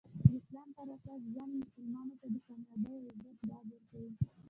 د اسلام پراساس ژوند مسلمانانو ته د کامیابي او عزت ډاډ ورکوي.